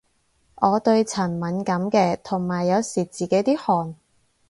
我對塵敏感嘅，同埋有時自己啲汗